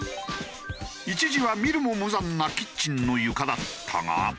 一時は見るも無残なキッチンの床だったが。